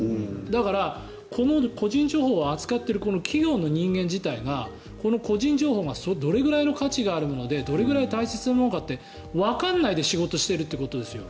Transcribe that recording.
だからこの個人情報を扱っている企業の人間自体がこの個人情報がどれぐらいの価値があるものでどれぐらい大切かがわからないで仕事してるってことですよ